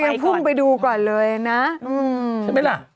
ยังพุ่งไปดูก่อนเลยนะใช่ไหมล่ะ